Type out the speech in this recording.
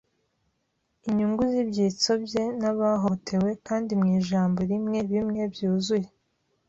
inyungu z'ibyitso bye n'abahohotewe, kandi, mu ijambo rimwe, bimwe, byuzuye